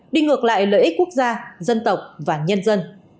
đi ngược lại lợi ích quốc gia dân tộc và nhân dân